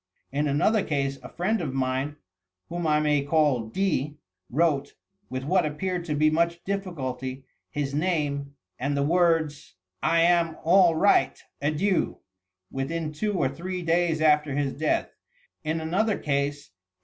In another case, a frieud of mine, whom 1 may call D., wrote, — with what appeared to be much difficulty, his name and the words: — 'I am all right. Adieu,' within two or three days after his death. In another case.